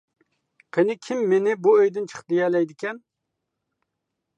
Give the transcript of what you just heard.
قېنى كىم مېنى بۇ ئۆيدىن چىق دېيەلەيدىكەن؟ !